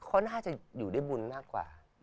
เพราะน่าจะอยู่ได้บุญมากกว่า